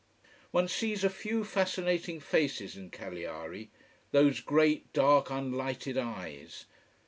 One sees a few fascinating faces in Cagliari: those great dark unlighted eyes.